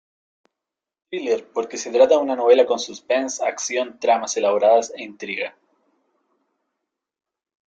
Thriller, porque se trata de una novela con suspense, acción, tramas elaboradas e intriga.